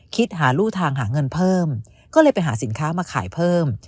คิดหารู่ทางหาเงินเพิ่มก็เลยไปหาสินค้ามาขายเพิ่ม